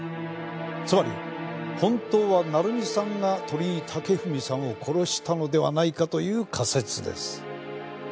つまり本当は成美さんが鳥居武文さんを殺したのではないかという仮説です。